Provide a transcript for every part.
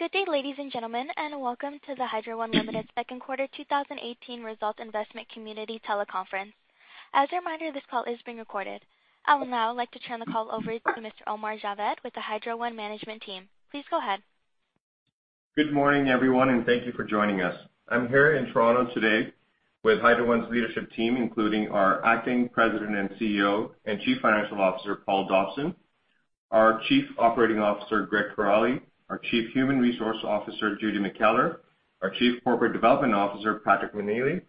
Good day, ladies and gentlemen. Welcome to the Hydro One Limited Second Quarter 2018 Result Investment Community Teleconference. As a reminder, this call is being recorded. I will now like to turn the call over to Mr. Omar Javed with the Hydro One management team. Please go ahead. Good morning, everyone. Thank you for joining us. I'm here in Toronto today with Hydro One's leadership team, including our Acting President and CEO and Chief Financial Officer, Paul Dobson, our Chief Operating Officer, Greg Kiraly, our Chief Human Resource Officer, Judy McKellar, our Chief Corporate Development Officer, Patrick Meneley,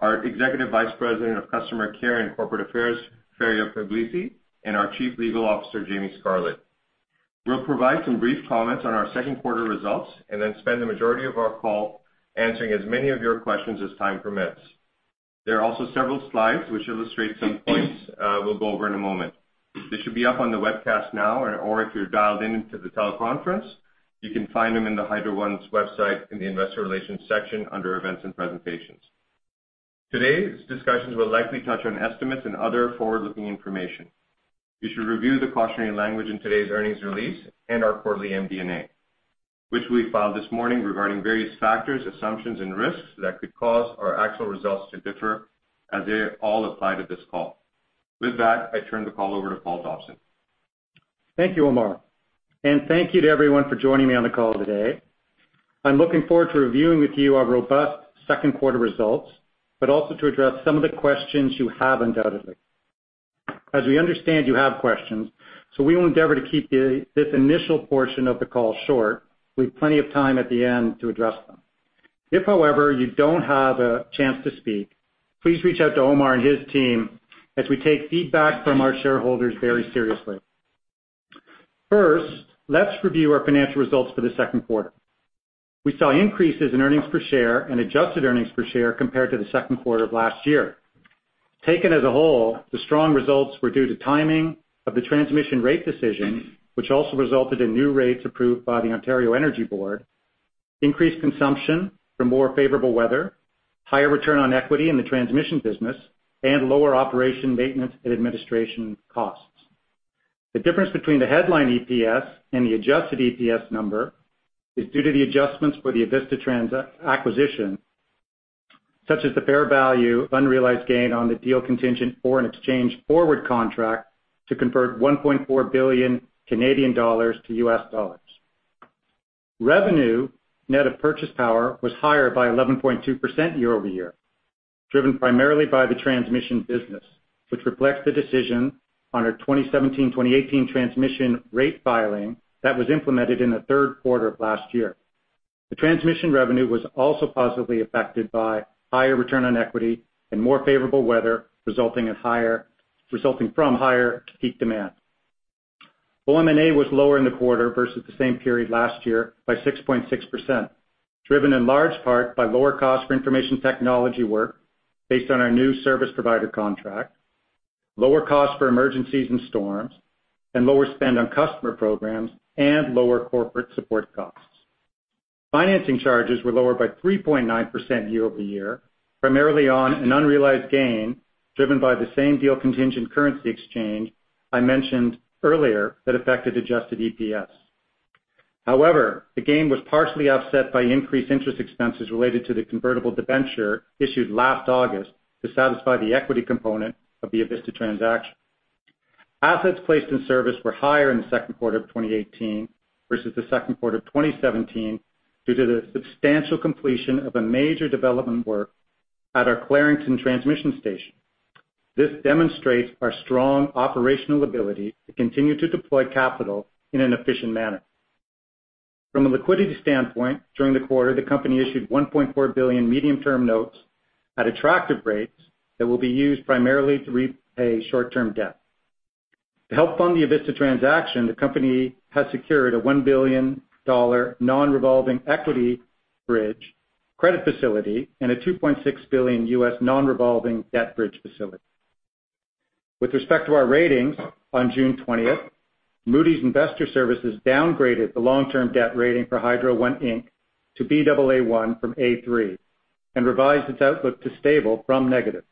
our Executive Vice President of Customer Care and Corporate Affairs, Ferio Pugliese, and our Chief Legal Officer, Jamie Scarlett. We'll provide some brief comments on our second quarter results. Spend the majority of our call answering as many of your questions as time permits. There are also several slides which illustrate some points we'll go over in a moment. They should be up on the webcast now, or if you're dialed in to the teleconference, you can find them in the Hydro One's website in the investor relations section under events and presentations. Today's discussions will likely touch on estimates and other forward-looking information. You should review the cautionary language in today's earnings release and our quarterly MD&A, which we filed this morning regarding various factors, assumptions, and risks that could cause our actual results to differ as they all apply to this call. I turn the call over to Paul Dobson. Thank you, Omar. Thank you to everyone for joining me on the call today. I'm looking forward to reviewing with you our robust second quarter results, but also to address some of the questions you have undoubtedly. We understand you have questions, so we will endeavor to keep this initial portion of the call short with plenty of time at the end to address them. If, however, you don't have a chance to speak, please reach out to Omar and his team as we take feedback from our shareholders very seriously. First, let's review our financial results for the second quarter. We saw increases in earnings per share and adjusted earnings per share compared to the second quarter of last year. Taken as a whole, the strong results were due to timing of the transmission rate decision, which also resulted in new rates approved by the Ontario Energy Board, increased consumption from more favorable weather, higher return on equity in the transmission business, and lower operation maintenance and administration costs. The difference between the headline EPS and the adjusted EPS number is due to the adjustments for the Avista transaction, such as the fair value unrealized gain on the deal contingent foreign exchange forward contract to convert 1.4 billion Canadian dollars to US dollars. Revenue net of purchase power was higher by 11.2% year-over-year, driven primarily by the transmission business, which reflects the decision on our 2017-2018 transmission rate filing that was implemented in the third quarter of last year. The transmission revenue was also positively affected by higher return on equity and more favorable weather resulting from higher peak demand. OM&A was lower in the quarter versus the same period last year by 6.6%, driven in large part by lower cost for information technology work based on our new service provider contract, lower cost for emergencies and storms, and lower spend on customer programs, and lower corporate support costs. Financing charges were lower by 3.9% year-over-year, primarily on an unrealized gain driven by the same deal contingent currency exchange I mentioned earlier that affected adjusted EPS. However, the gain was partially offset by increased interest expenses related to the convertible debenture issued last August to satisfy the equity component of the Avista transaction. Assets placed in service were higher in the second quarter of 2018 versus the second quarter of 2017 due to the substantial completion of a major development work at our Clarington transmission station. This demonstrates our strong operational ability to continue to deploy capital in an efficient manner. From a liquidity standpoint, during the quarter, the company issued 1.4 billion medium-term notes at attractive rates that will be used primarily to repay short-term debt. To help fund the Avista transaction, the company has secured a 1 billion dollar non-revolving equity bridge credit facility and a $2.6 billion U.S. non-revolving debt bridge facility. With respect to our ratings, on June 20th, Moody's Investors Service downgraded the long-term debt rating for Hydro One Inc. to Baa1 from A3 and revised its outlook to stable from negative.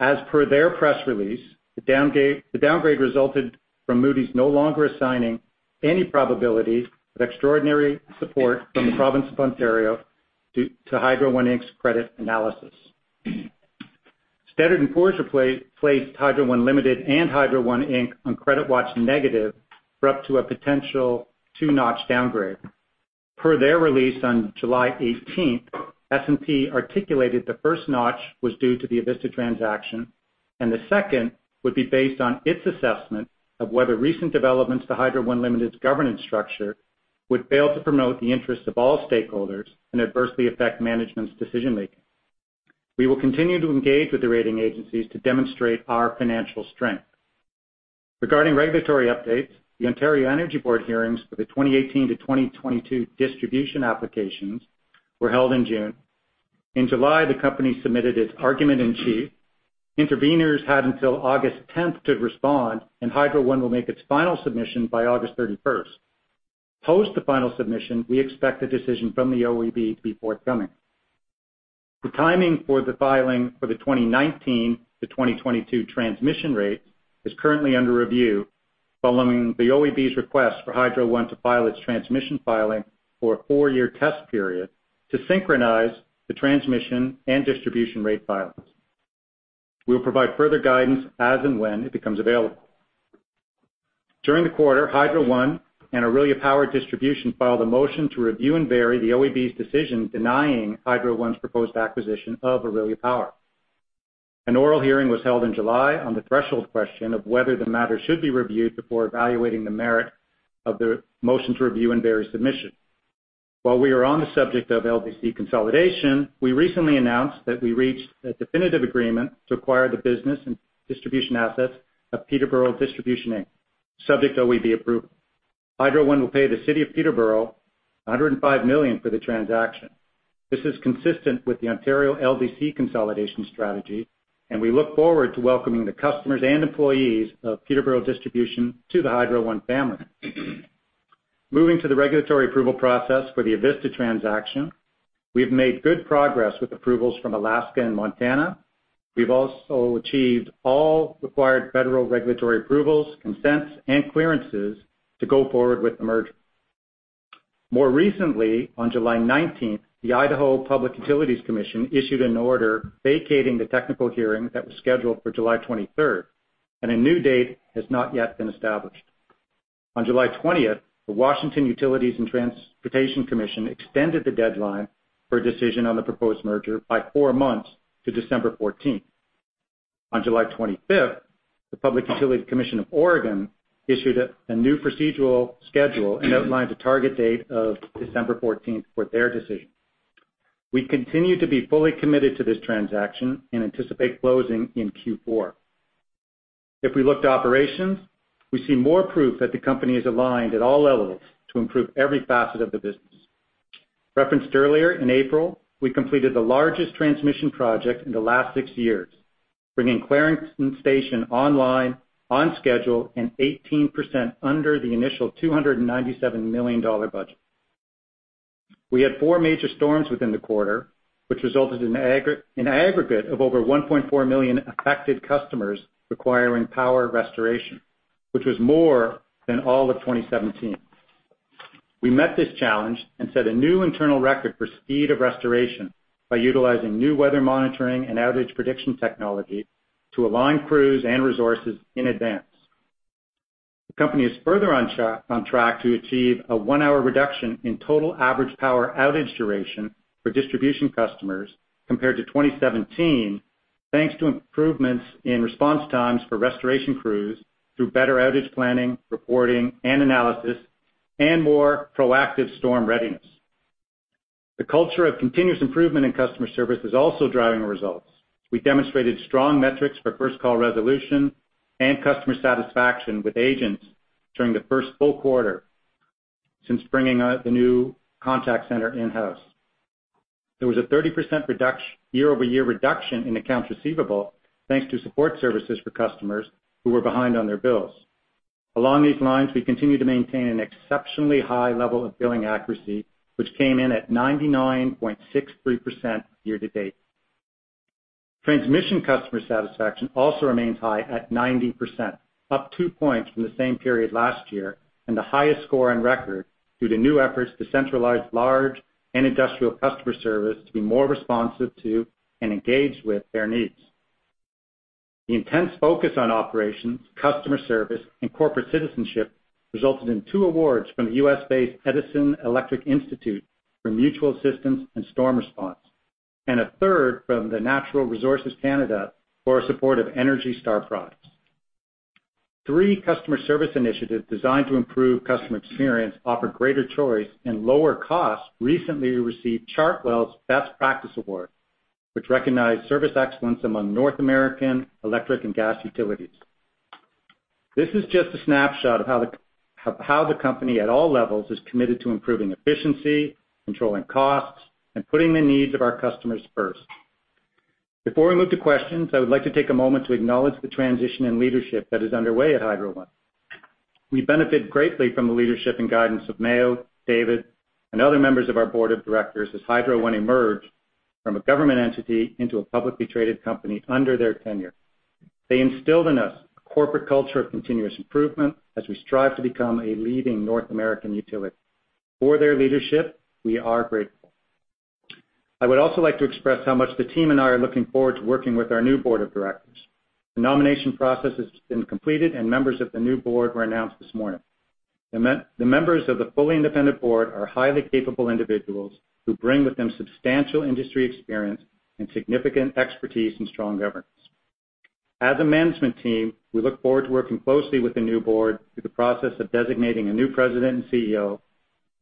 As per their press release, the downgrade resulted from Moody's no longer assigning any probability of extraordinary support from the province of Ontario to Hydro One Inc.'s credit analysis. Standard & Poor's placed Hydro One Limited and Hydro One Inc. on credit watch negative for up to a potential two-notch downgrade. Per their release on July 18th, S&P articulated the first notch was due to the Avista transaction, and the second would be based on its assessment of whether recent developments to Hydro One Limited's governance structure would fail to promote the interests of all stakeholders and adversely affect management's decision-making. We will continue to engage with the rating agencies to demonstrate our financial strength. Regarding regulatory updates, the Ontario Energy Board hearings for the 2018 to 2022 distribution applications were held in June. In July, the company submitted its argument in chief. Intervenors had until August 10th to respond, and Hydro One will make its final submission by August 31st. Post the final submission, we expect the decision from the OEB to be forthcoming. The timing for the filing for the 2019 to 2022 transmission rates is currently under review following the OEB's request for Hydro One to file its transmission filing for a four-year test period to synchronize the transmission and distribution rate filings. We will provide further guidance as and when it becomes available. During the quarter, Hydro One and Orillia Power Distribution filed a motion to review and vary the OEB's decision denying Hydro One's proposed acquisition of Orillia Power. An oral hearing was held in July on the threshold question of whether the matter should be reviewed before evaluating the merit of the motion to review and vary submission. While we are on the subject of LDC consolidation, we recently announced that we reached a definitive agreement to acquire the business and distribution assets of Peterborough Distribution Inc., subject to OEB approval. Hydro One will pay the City of Peterborough 105 million for the transaction. This is consistent with the Ontario LDC consolidation strategy, and we look forward to welcoming the customers and employees of Peterborough Distribution to the Hydro One family. Moving to the regulatory approval process for the Avista transaction, we've made good progress with approvals from Alaska and Montana. We've also achieved all required federal regulatory approvals, consents, and clearances to go forward with the merger. More recently, on July 19th, the Idaho Public Utilities Commission issued an order vacating the technical hearing that was scheduled for July 23rd, and a new date has not yet been established. On July 20th, the Washington Utilities and Transportation Commission extended the deadline for a decision on the proposed merger by four months to December 14th. On July 25th, the Oregon Public Utility Commission issued a new procedural schedule and outlined a target date of December 14th for their decision. We continue to be fully committed to this transaction and anticipate closing in Q4. If we look to operations, we see more proof that the company is aligned at all levels to improve every facet of the business. Referenced earlier in April, we completed the largest transmission project in the last six years, bringing Clarington Station online on schedule and 18% under the initial 297 million dollar budget. We had four major storms within the quarter, which resulted in an aggregate of over 1.4 million affected customers requiring power restoration, which was more than all of 2017. We met this challenge and set a new internal record for speed of restoration by utilizing new weather monitoring and outage prediction technology to align crews and resources in advance. The company is further on track to achieve a one-hour reduction in total average power outage duration for distribution customers compared to 2017, thanks to improvements in response times for restoration crews through better outage planning, reporting, and analysis, and more proactive storm readiness. The culture of continuous improvement in customer service is also driving results. We demonstrated strong metrics for first-call resolution and customer satisfaction with agents during the first full quarter since bringing the new contact center in-house. There was a 30% year-over-year reduction in accounts receivable, thanks to support services for customers who were behind on their bills. Along these lines, we continue to maintain an exceptionally high level of billing accuracy, which came in at 99.63% year-to-date. Transmission customer satisfaction also remains high at 90%, up two points from the same period last year and the highest score on record due to new efforts to centralize large and industrial customer service to be more responsive to and engaged with their needs. The intense focus on operations, customer service, and corporate citizenship resulted in two awards from the U.S.-based Edison Electric Institute for mutual assistance and storm response, and a third from the Natural Resources Canada for our support of ENERGY STAR products. Three customer service initiatives designed to improve customer experience offer greater choice and lower costs recently received Chartwell's Best Practice Award, which recognized service excellence among North American electric and gas utilities. This is just a snapshot of how the company at all levels is committed to improving efficiency, controlling costs, and putting the needs of our customers first. Before we move to questions, I would like to take a moment to acknowledge the transition in leadership that is underway at Hydro One. We benefit greatly from the leadership and guidance of Mayo, David, and other members of our board of directors as Hydro One emerged from a government entity into a publicly traded company under their tenure. They instilled in us a corporate culture of continuous improvement as we strive to become a leading North American utility. For their leadership, we are grateful. I would also like to express how much the team and I are looking forward to working with our new board of directors. The nomination process has been completed, and members of the new board were announced this morning. The members of the fully independent board are highly capable individuals who bring with them substantial industry experience and significant expertise and strong governance. As a management team, we look forward to working closely with the new board through the process of designating a new president and CEO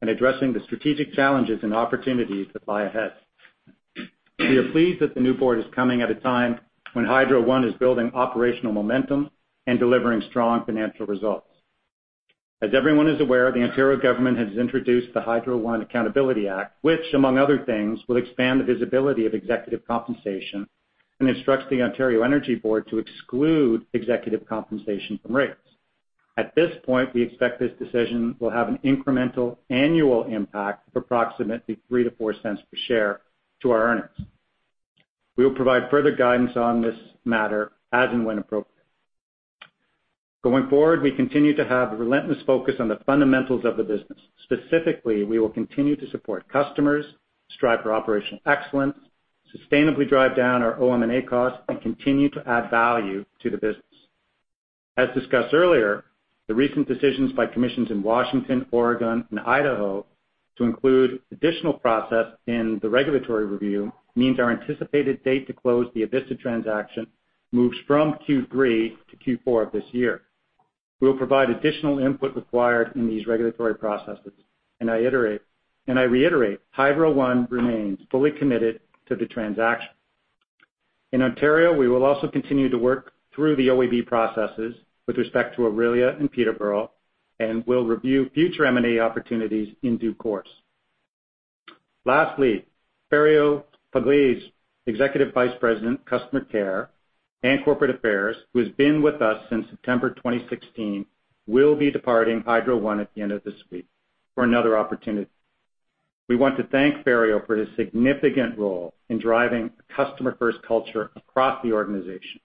and addressing the strategic challenges and opportunities that lie ahead. We are pleased that the new board is coming at a time when Hydro One is building operational momentum and delivering strong financial results. As everyone is aware, the Ontario government has introduced the Hydro One Accountability Act, which, among other things, will expand the visibility of executive compensation and instructs the Ontario Energy Board to exclude executive compensation from rates. At this point, we expect this decision will have an incremental annual impact of approximately 0.03 to 0.04 per share to our earnings. We will provide further guidance on this matter as and when appropriate. Going forward, we continue to have a relentless focus on the fundamentals of the business. Specifically, we will continue to support customers, strive for operational excellence, sustainably drive down our OM&A costs, and continue to add value to the business. As discussed earlier, the recent decisions by commissions in Washington, Oregon, and Idaho to include additional process in the regulatory review means our anticipated date to close the Avista transaction moves from Q3 to Q4 of this year. We will provide additional input required in these regulatory processes, and I reiterate, Hydro One remains fully committed to the transaction. In Ontario, we will also continue to work through the OEB processes with respect to Orillia and Peterborough, and we'll review future M&A opportunities in due course. Lastly, Ferio Pugliese, Executive Vice President of Customer Care and Corporate Affairs, who has been with us since September 2016, will be departing Hydro One at the end of this week for another opportunity. We want to thank Ferio for his significant role in driving a customer-first culture across the organization.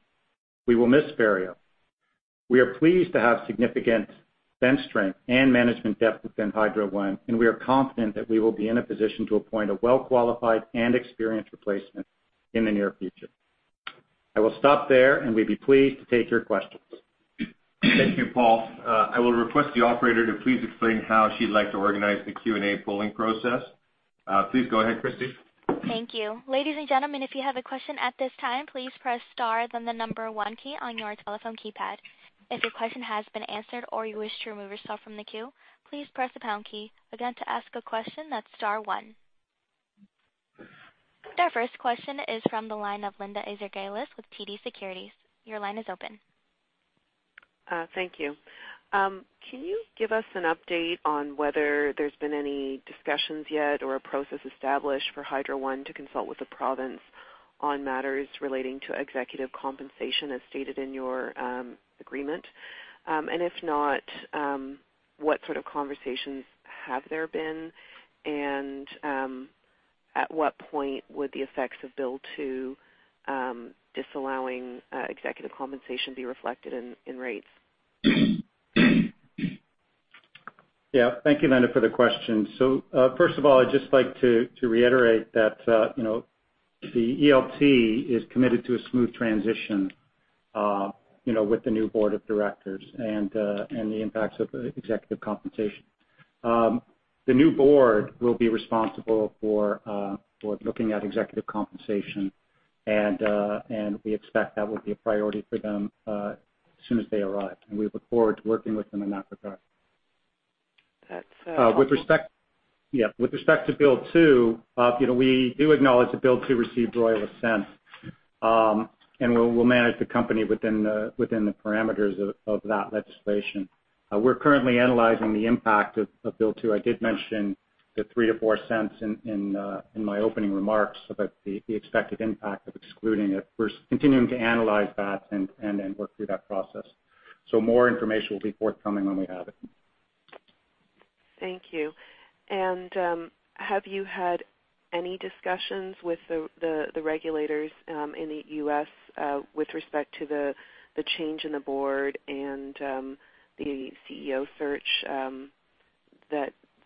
We will miss Ferio. We are pleased to have significant bench strength and management depth within Hydro One, and we are confident that we will be in a position to appoint a well-qualified and experienced replacement in the near future. I will stop there, and we'd be pleased to take your questions. Thank you, Paul. I will request the operator to please explain how she'd like to organize the Q&A polling process. Please go ahead, Christy. Thank you. Ladies and gentlemen, if you have a question at this time, please press star then the number one key on your telephone keypad. If your question has been answered or you wish to remove yourself from the queue, please press the pound key. Again, to ask a question, that's star one. Our first question is from the line of Linda Ezergailis with TD Securities. Your line is open. Thank you. Can you give us an update on whether there's been any discussions yet or a process established for Hydro One to consult with the province on matters relating to executive compensation as stated in your agreement? If not, what sort of conversations have there been, and at what point would the effects of Bill 2 disallowing executive compensation be reflected in rates? Thank you, Linda, for the question. First of all, I'd just like to reiterate that the ELT is committed to a smooth transition with the new board of directors and the impacts of executive compensation. The new board will be responsible for looking at executive compensation, and we expect that will be a priority for them as soon as they arrive. We look forward to working with them in that regard. That's- With respect to Bill 2, we do acknowledge that Bill 2 received Royal Assent, and we'll manage the company within the parameters of that legislation. We're currently analyzing the impact of Bill 2. I did mention the 0.03-0.04 in my opening remarks about the expected impact of excluding it. We're continuing to analyze that and work through that process. More information will be forthcoming when we have it. Thank you. Have you had any discussions with the regulators in the U.S. with respect to the change in the board and the CEO search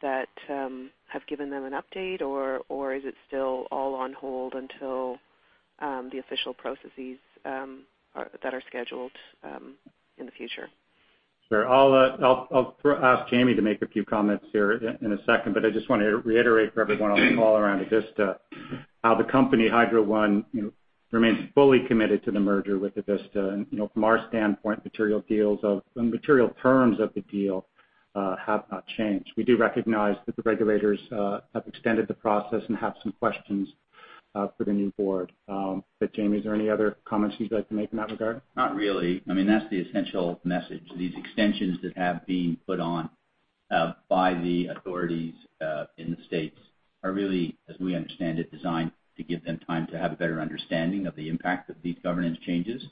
that have given them an update, or is it still all on hold until the official processes that are scheduled in the future? Sure. I'll ask Jamie to make a few comments here in a second, but I just want to reiterate for everyone on the call around Avista how the company Hydro One remains fully committed to the merger with Avista. From our standpoint, material terms of the deal have not changed. We do recognize that the regulators have extended the process and have some questions for the new board. Jamie, is there any other comments you'd like to make in that regard? Not really. That's the essential message. These extensions that have been put on by the authorities in the U.S. are really, as we understand it, designed to give them time to have a better understanding of the impact of these governance changes.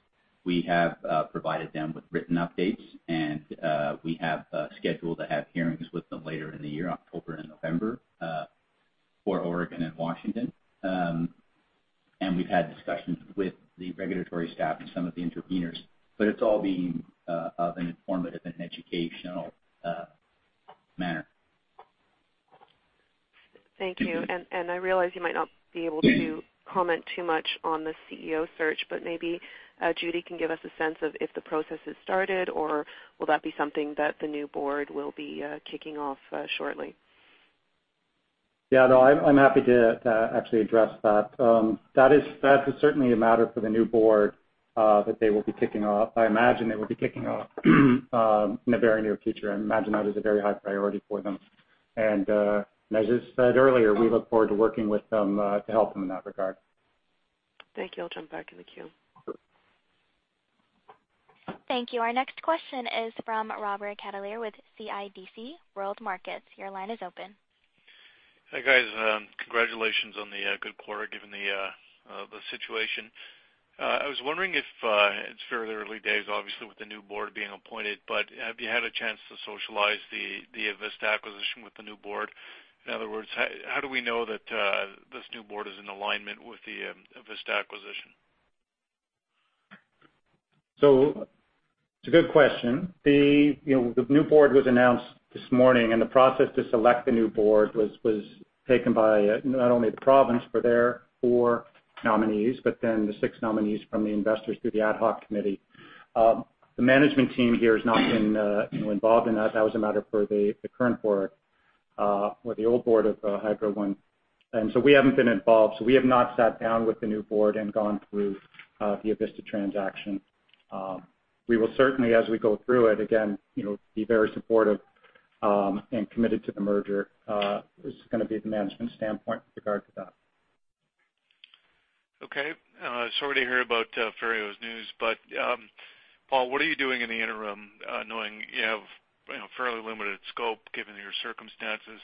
We have provided them with written updates. We have scheduled to have hearings with them later in the year, October and November, for Oregon and Washington. We've had discussions with the regulatory staff and some of the intervenors, but it's all being of an informative and educational manner. Thank you. I realize you might not be able to comment too much on the CEO search, but maybe Judy can give us a sense of if the process has started, or will that be something that the new board will be kicking off shortly? Yeah, no, I'm happy to actually address that. That is certainly a matter for the new board that they will be kicking off. I imagine they will be kicking off in the very near future. I imagine that is a very high priority for them. As I said earlier, we look forward to working with them to help them in that regard. Thank you. I'll jump back in the queue. Thank you. Our next question is from Robert Catellier with CIBC World Markets. Your line is open. Hi guys. Congratulations on the good quarter, given the situation. I was wondering if, it's fairly early days, obviously, with the new board being appointed, but have you had a chance to socialize the Avista acquisition with the new board? In other words, how do we know that this new board is in alignment with the Avista acquisition? It's a good question. The new board was announced this morning, the process to select the new board was taken by not only the province for their four nominees, the six nominees from the investors through the ad hoc committee. The management team here has not been involved in that. That was a matter for the current board, or the old board of Hydro One. We haven't been involved. We have not sat down with the new board and gone through the Avista transaction. We will certainly, as we go through it, again, be very supportive and committed to the merger. This is going to be the management standpoint with regard to that. Okay. Sorry to hear about Ferio's news, Paul, what are you doing in the interim, knowing you have fairly limited scope given your circumstances?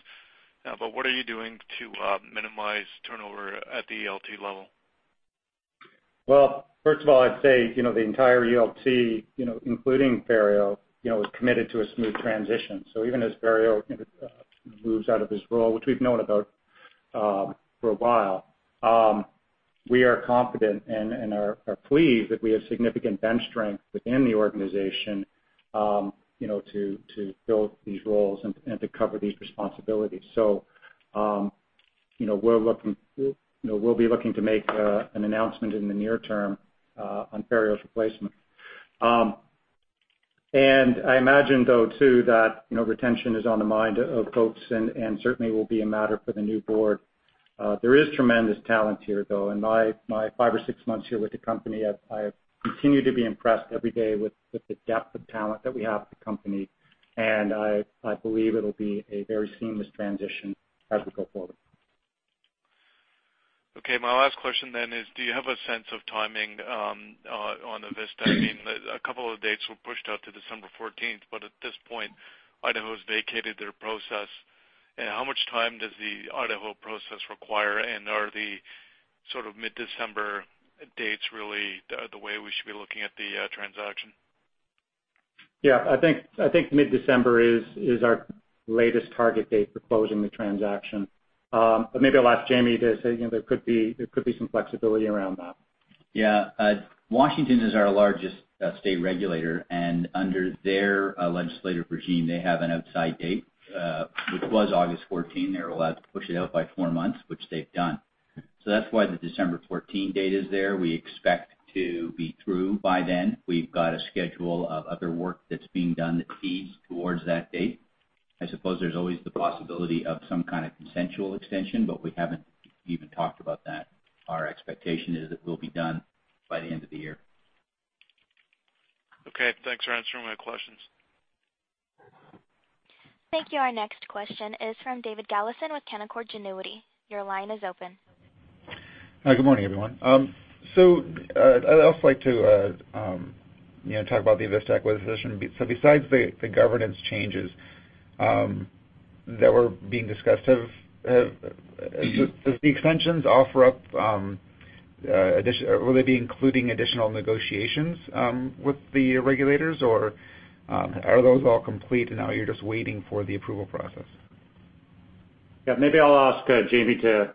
What are you doing to minimize turnover at the ELT level? First of all, I'd say, the entire ELT, including Ferio, is committed to a smooth transition. Even as Ferio moves out of his role, which we've known about for a while, we are confident and are pleased that we have significant bench strength within the organization to build these roles and to cover these responsibilities. We'll be looking to make an announcement in the near term on Ferio's replacement. I imagine, though, too, that retention is on the mind of folks and certainly will be a matter for the new board. There is tremendous talent here, though. In my five or six months here with the company, I have continued to be impressed every day with the depth of talent that we have at the company, and I believe it'll be a very seamless transition as we go forward. Okay. My last question is, do you have a sense of timing on Avista? I mean, a couple of dates were pushed out to December 14th, but at this point, Idaho has vacated their process. How much time does the Idaho process require, and are the mid-December dates really the way we should be looking at the transaction? Yeah, I think mid-December is our latest target date for closing the transaction. Maybe I'll ask Jamie to say there could be some flexibility around that. Yeah. Washington is our largest state regulator. Under their legislative regime, they have an outside date, which was August 14. They were allowed to push it out by four months, which they've done. That's why the December 14 date is there. We expect to be through by then. We've got a schedule of other work that's being done that feeds towards that date. I suppose there's always the possibility of some kind of consensual extension. We haven't even talked about that. Our expectation is that we'll be done by the end of the year. Okay, thanks for answering my questions. Thank you. Our next question is from David Galison with Canaccord Genuity. Your line is open. Hi, good morning, everyone. I'd also like to talk about the Avista acquisition. Besides the governance changes that were being discussed, does the extensions offer up additional negotiations with the regulators, or are those all complete and now you're just waiting for the approval process? Yeah, maybe I'll ask Jamie to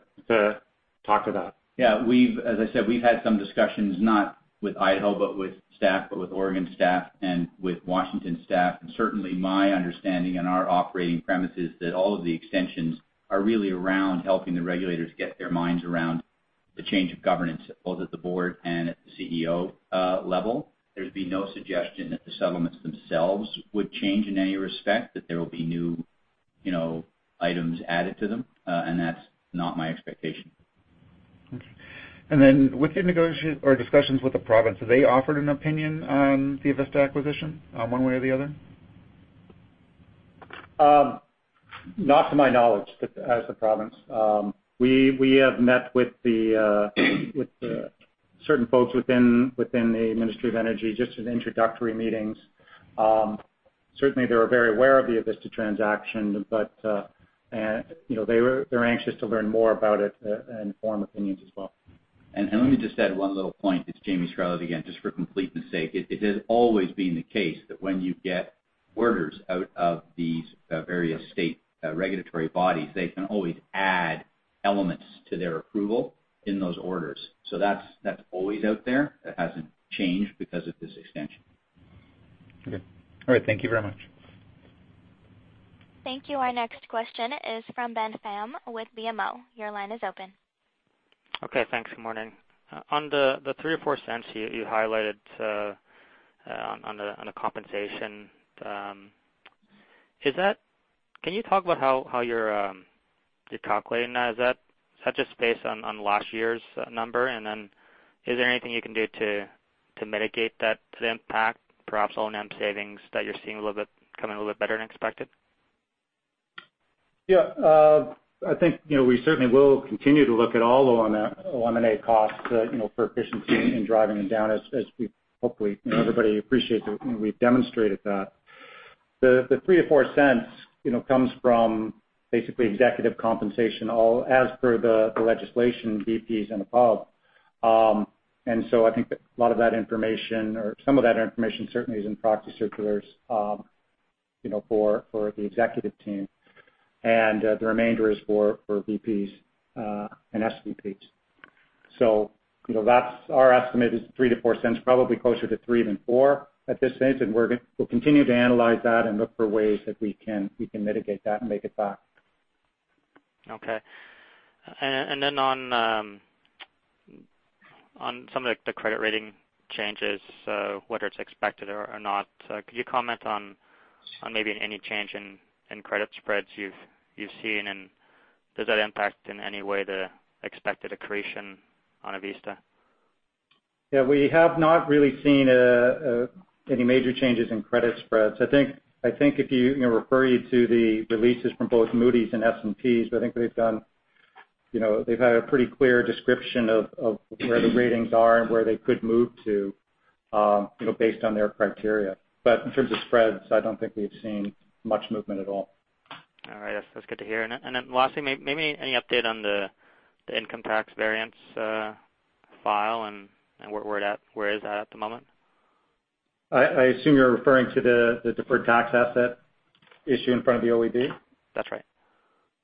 talk to that. Yeah. As I said, we've had some discussions not with Idaho, but with staff, but with Oregon staff and with Washington staff. Certainly my understanding and our operating premise is that all of the extensions are really around helping the regulators get their minds around the change of governance, both at the board and at the CEO level. There'd be no suggestion that the settlements themselves would change in any respect, that there will be new items added to them. That's not my expectation. Okay. Then within discussions with the province, have they offered an opinion on the Avista acquisition one way or the other? Not to my knowledge, has the province. We have met with certain folks within the Ministry of Energy, just in introductory meetings. Certainly they are very aware of the Avista transaction, but they're anxious to learn more about it and form opinions as well. Let me just add one little point. It's Jamie Scarlett again, just for completeness sake. It has always been the case that when you get orders out of these various state regulatory bodies, they can always add elements to their approval in those orders. That's always out there. That hasn't changed because of this extension. Okay. All right. Thank you very much. Thank you. Our next question is from Ben Pham with BMO. Your line is open. Okay, thanks. Good morning. On the 0.03 or 0.04 you highlighted on the compensation, can you talk about how you're calculating that? Is that just based on last year's number? Is there anything you can do to mitigate that impact? Perhaps O&M savings that you're seeing coming a little bit better than expected? We certainly will continue to look at all O&M costs for efficiency and driving them down as we hopefully, everybody appreciates that we've demonstrated that. The 0.03-0.04 comes from basically executive compensation, all as per the legislation, VPs and above. I think that a lot of that information, or some of that information, certainly is in proxy circulars for the executive team. The remainder is for VPs and SVPs. Our estimate is 0.03-0.04, probably closer to three than four at this stage. We'll continue to analyze that and look for ways that we can mitigate that and make it back. Okay. On some of the credit rating changes, whether it's expected or not, could you comment on maybe any change in credit spreads you've seen? Does that impact in any way the expected accretion on Avista? Yeah. We have not really seen any major changes in credit spreads. I think if you refer you to the releases from both Moody's and S&P's, I think they've had a pretty clear description of where the ratings are and where they could move to based on their criteria. In terms of spreads, I don't think we've seen much movement at all. All right. That's good to hear. Then lastly, maybe any update on the income tax variance file and where it's at at the moment? I assume you're referring to the deferred tax asset issue in front of the OEB? That's right.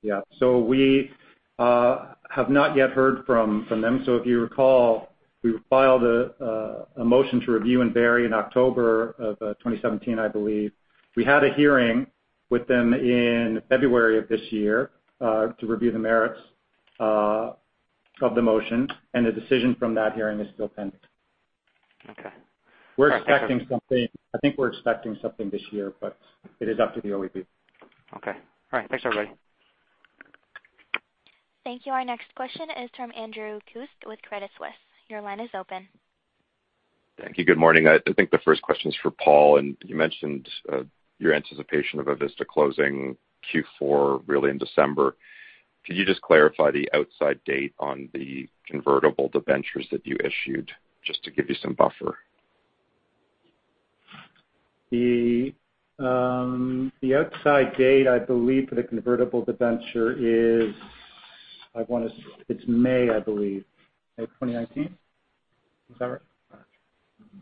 Yeah. We have not yet heard from them. If you recall, we filed a motion to review and vary in October of 2017, I believe. We had a hearing with them in February of this year to review the merits of the motion, and the decision from that hearing is still pending. Okay. We're expecting something. I think we're expecting something this year, but it is up to the OEB. Okay. All right. Thanks, everybody. Thank you. Our next question is from Andrew Kuske with Credit Suisse. Your line is open. Thank you. Good morning. I think the first question is for Paul, and you mentioned your anticipation of Avista closing Q4, really in December. Could you just clarify the outside date on the convertible debentures that you issued, just to give you some buffer? The outside date, I believe, for the convertible debenture is May, I believe. May 2019? Is that right?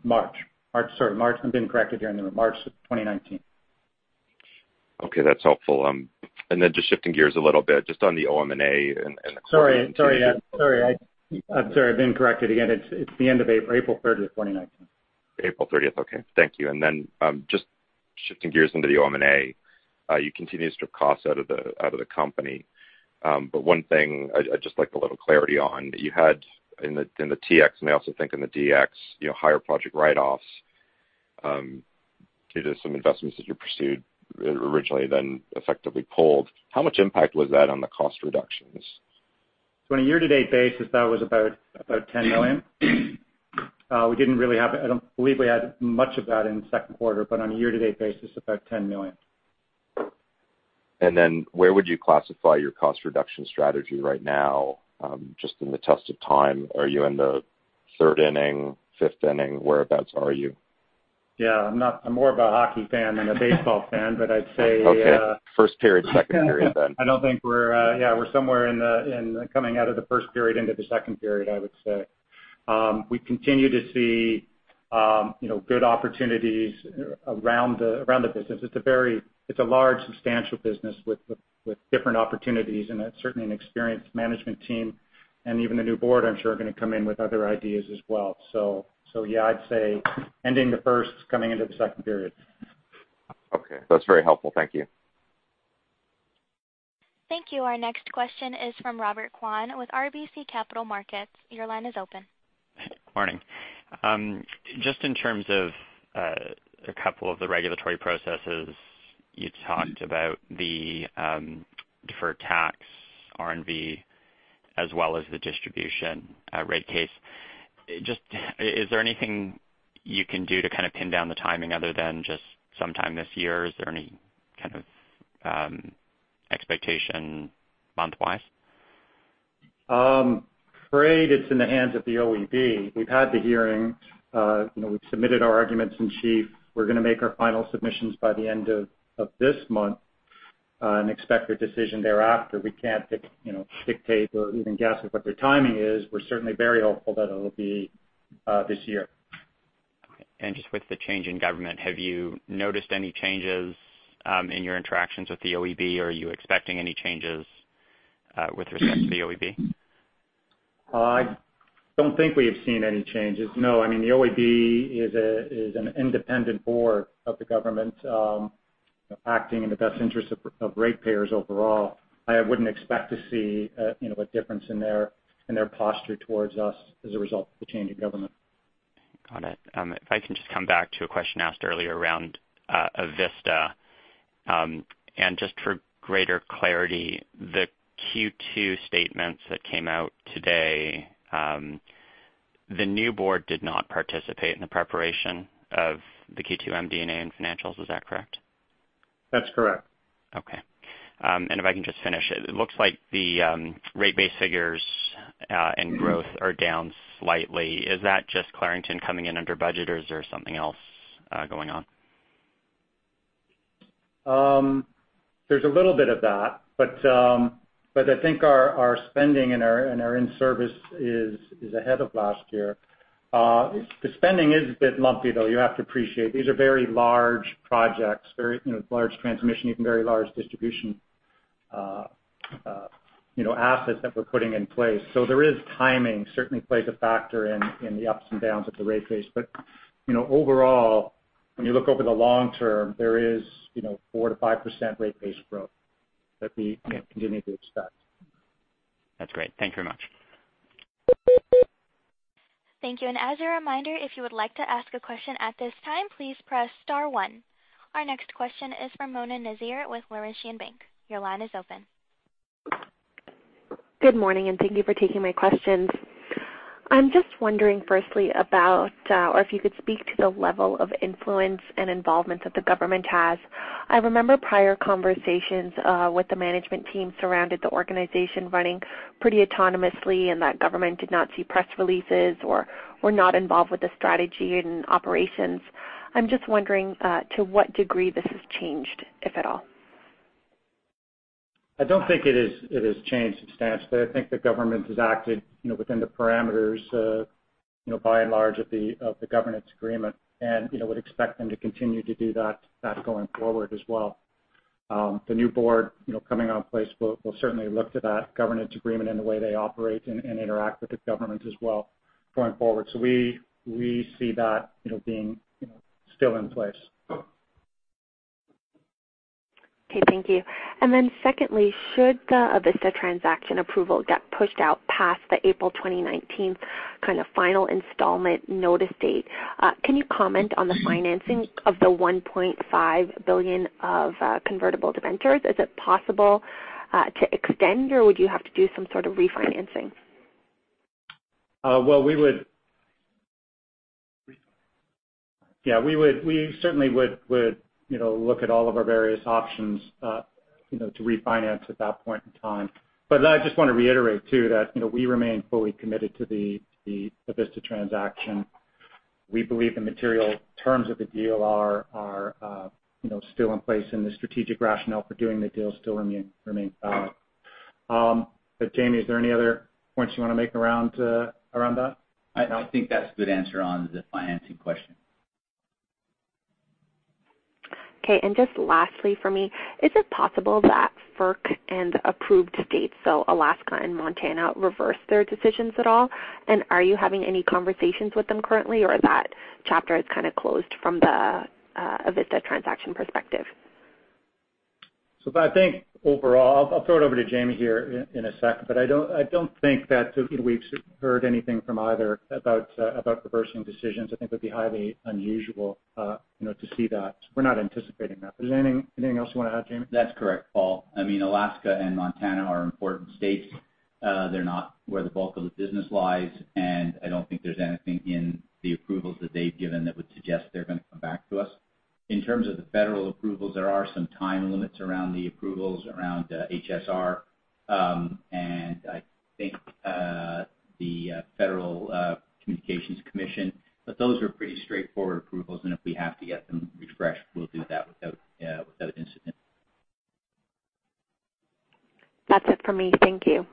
March. March. Sorry, March. I'm being corrected here. March 2019. Okay, that's helpful. Then just shifting gears a little bit, just on the OM&A. Sorry. I'm sorry. I've been corrected again. It's the end of April 30th, 2019. April 30th. Okay. Thank you. Then just shifting gears into the OM&A. You continue to strip costs out of the company. One thing I'd just like a little clarity on, you had in the TX, and I also think in the DX, higher project write-offs due to some investments that you pursued originally, then effectively pulled. How much impact was that on the cost reductions? On a year-to-date basis, that was about 10 million. I don't believe we had much of that in the second quarter, but on a year-to-date basis, about 10 million. Where would you classify your cost reduction strategy right now, just in the test of time? Are you in the third inning, fifth inning? Whereabouts are you? Yeah, I'm more of a hockey fan than a baseball fan, but I'd say. Okay. First period, second period then. I don't think we're somewhere in coming out of the first period into the second period, I would say. We continue to see good opportunities around the business. It's a large, substantial business with different opportunities and certainly an experienced management team. Even the new board, I'm sure, are going to come in with other ideas as well. Yeah, I'd say ending the first, coming into the second period. Okay. That's very helpful. Thank you. Thank you. Our next question is from Robert Kwan with RBC Capital Markets. Your line is open. Morning. Just in terms of a couple of the regulatory processes, you talked about the deferred tax, R&V, as well as the distribution rate case. Is there anything you can do to kind of pin down the timing other than just sometime this year? Is there any kind of expectation month-wise? I'm afraid it's in the hands of the OEB. We've had the hearing. We've submitted our arguments in chief. We're going to make our final submissions by the end of this month and expect a decision thereafter. We can't dictate or even guess at what their timing is. We're certainly very hopeful that it'll be this year. Okay. Just with the change in government, have you noticed any changes in your interactions with the OEB? Are you expecting any changes with respect to the OEB? I don't think we have seen any changes. No. I mean, the OEB is an independent board of the government acting in the best interest of ratepayers overall. I wouldn't expect to see a difference in their posture towards us as a result of the change in government. Got it. If I can just come back to a question asked earlier around Avista. Just for greater clarity, the Q2 statements that came out today, the new board did not participate in the preparation of the Q2 MD&A and financials. Is that correct? That's correct. If I can just finish, it looks like the rate base figures and growth are down slightly. Is that just Clarington coming in under budget or is there something else going on? There's a little bit of that, I think our spending and our in-service is ahead of last year. The spending is a bit lumpy, though. You have to appreciate these are very large projects, very large transmission, even very large distribution assets that we're putting in place. There is timing certainly plays a factor in the ups and downs of the rate base. Overall, when you look over the long term, there is 4%-5% rate base growth that we continue to expect. That's great. Thank you very much. Thank you. As a reminder, if you would like to ask a question at this time, please press star one. Our next question is from Mona Nazir with Laurentian Bank. Your line is open. Good morning, thank you for taking my questions. I'm just wondering firstly about, or if you could speak to the level of influence and involvement that the government has. I remember prior conversations with the management team surrounded the organization running pretty autonomously and that government did not see press releases or were not involved with the strategy and operations. I'm just wondering to what degree this has changed, if at all. I don't think it has changed substantially. I think the government has acted within the parameters by and large of the governance agreement and would expect them to continue to do that going forward as well. The new board coming on place will certainly look to that governance agreement and the way they operate and interact with the government as well going forward. We see that being still in place. Okay, thank you. Secondly, should the Avista transaction approval get pushed out past the April 2019 kind of final installment notice date, can you comment on the financing of the 1.5 billion of convertible debentures? Is it possible to extend, or would you have to do some sort of refinancing? Well, we certainly would look at all of our various options to refinance at that point in time. I just want to reiterate too that we remain fully committed to the Avista transaction. We believe the material terms of the deal are still in place and the strategic rationale for doing the deal still remain valid. Jamie, is there any other points you want to make around that? I think that's a good answer on the financing question. Okay, just lastly for me, is it possible that FERC and approved states, so Alaska and Montana, reverse their decisions at all? Are you having any conversations with them currently, or that chapter is kind of closed from the Avista transaction perspective? I think overall, I'll throw it over to Jamie here in a second, but I don't think that we've heard anything from either about reversing decisions. I think it would be highly unusual to see that. We're not anticipating that. Is there anything else you want to add, Jamie? That's correct, Paul. Alaska and Montana are important states. They're not where the bulk of the business lies, and I don't think there's anything in the approvals that they've given that would suggest they're going to come back to us. In terms of the federal approvals, there are some time limits around the approvals around HSR. I think the Federal Communications Commission, but those are pretty straightforward approvals and if we have to get them refreshed, we'll do that without incident. That's it for me. Thank you.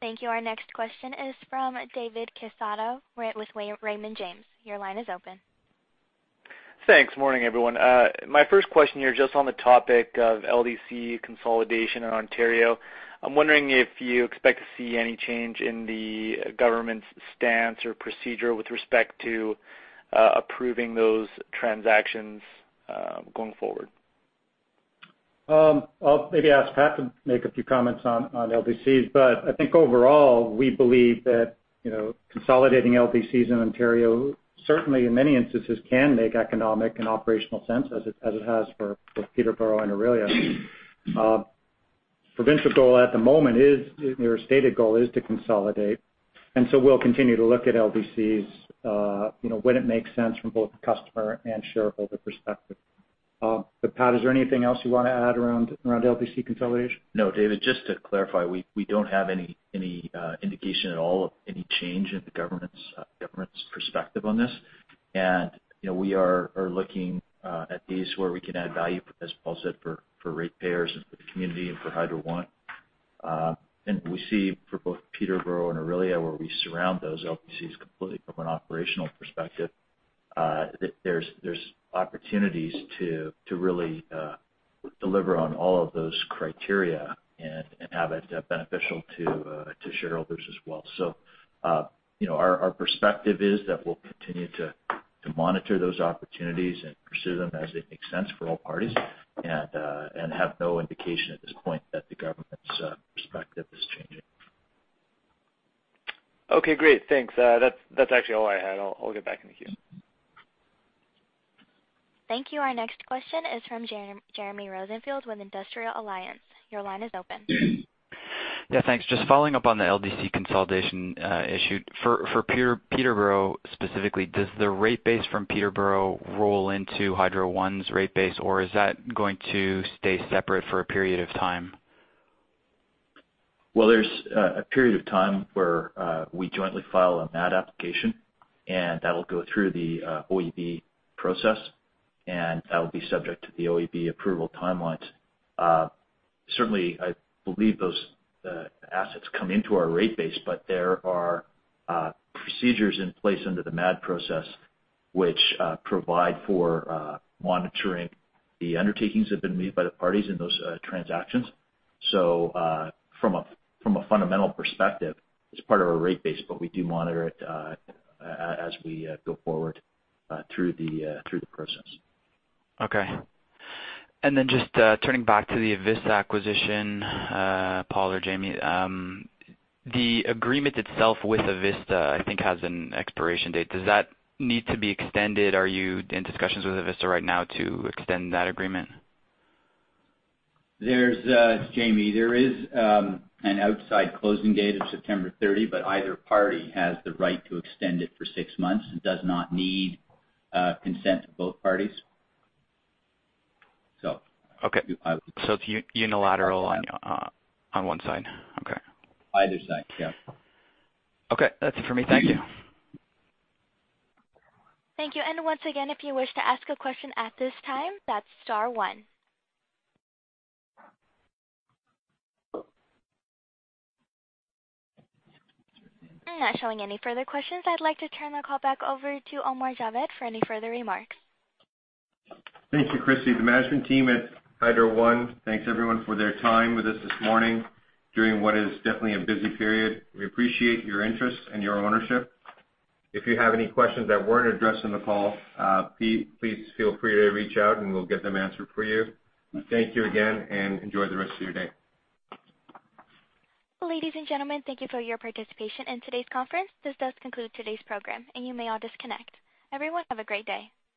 Thank you. Our next question is from David Quezada with Raymond James. Your line is open. Thanks. Morning, everyone. My first question here, just on the topic of LDC consolidation in Ontario. I'm wondering if you expect to see any change in the government's stance or procedure with respect to approving those transactions going forward. I'll maybe ask Pat to make a few comments on LDCs. I think overall, we believe that consolidating LDCs in Ontario, certainly in many instances can make economic and operational sense as it has for Peterborough and Orillia. Provincial goal at the moment is, or stated goal is to consolidate. We'll continue to look at LDCs when it makes sense from both a customer and shareholder perspective. Pat, is there anything else you want to add around LDC consolidation? No, David, just to clarify, we don't have any indication at all of any change in the government's perspective on this. We are looking at these where we can add value, as Paul said, for ratepayers and for the community and for Hydro One. We see for both Peterborough and Orillia, where we surround those LDCs completely from an operational perspective, that there's opportunities to really deliver on all of those criteria and have it beneficial to shareholders as well. Our perspective is that we'll continue to monitor those opportunities and pursue them as they make sense for all parties and have no indication at this point that the government's perspective is changing. Okay, great. Thanks. That's actually all I had. I'll get back in the queue. Thank you. Our next question is from Jeremy Rosenfeld with Industrial Alliance. Your line is open. Thanks. Just following up on the LDC consolidation issue. For Peterborough specifically, does the rate base from Peterborough roll into Hydro One's rate base, or is that going to stay separate for a period of time? Well, there's a period of time where we jointly file a MAADs application, that'll go through the OEB process, that will be subject to the OEB approval timelines. Certainly, I believe those assets come into our rate base, there are procedures in place under the MAADs process which provide for monitoring the undertakings that have been made by the parties in those transactions. From a fundamental perspective, it's part of our rate base, but we do monitor it as we go forward through the process. Okay. Just turning back to the Avista acquisition, Paul or Jamie, the agreement itself with Avista, I think, has an expiration date. Does that need to be extended? Are you in discussions with Avista right now to extend that agreement? It's Jamie. There is an outside closing date of September 30, either party has the right to extend it for six months and does not need consent of both parties. Okay. It's unilateral on one side? Okay. Either side. Yeah. Okay. That's it for me. Thank you. Thank you. Once again, if you wish to ask a question at this time, that's star one. Not showing any further questions, I'd like to turn the call back over to Omar Javed for any further remarks. Thank you, Christie. The management team at Hydro One thanks everyone for their time with us this morning during what is definitely a busy period. We appreciate your interest and your ownership. If you have any questions that weren't addressed on the call, please feel free to reach out, and we'll get them answered for you. Thank you again, and enjoy the rest of your day. Ladies and gentlemen, thank you for your participation in today's conference. This does conclude today's program, and you may all disconnect. Everyone, have a great day.